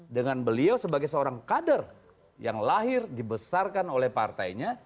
dengan beliau sebagai seorang kader yang lahir dibesarkan oleh partainya